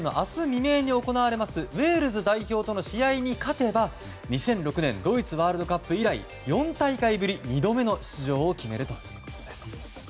未明に行われますウェールズ代表との試合に勝てば２００６年ドイツワールドカップ以来４大会ぶり２度目の出場を決めるということです。